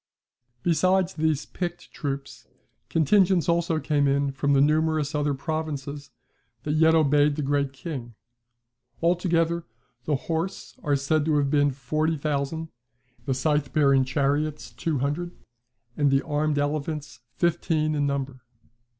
Besides these picked troops, contingents also came in from the numerous other provinces that yet obeyed the Great King. Altogether, the horse are said to have been forty thousand, the scythe bearing chariots two hundred, and the armed elephants fifteen in number.